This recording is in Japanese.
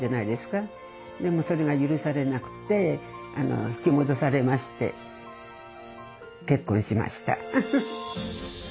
でもそれが許されなくて引き戻されまして結婚しました。